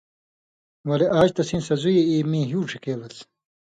ولے آژ تسیں سزُوئ اْی مِیں ہیُو ڙِھکے لَس۔